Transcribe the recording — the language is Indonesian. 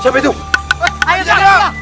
saya mer sewing biji